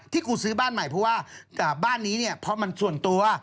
กูซื้อบ้านใหม่เพราะว่าบ้านนี้เนี่ยเพราะมันส่วนตัว